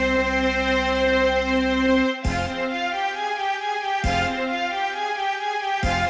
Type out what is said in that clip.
โดยรู้ว่าถ้าช่วยเป็นแรงของผม